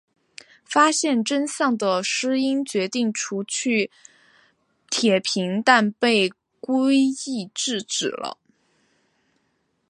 发现真相的诗音决定除去铁平但被圭一制止了。